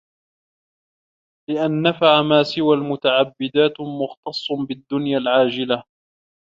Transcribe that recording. لِأَنَّ نَفْعَ مَا سِوَى الْمُتَعَبَّدَاتِ مُخْتَصٌّ بِالدُّنْيَا الْعَاجِلَةِ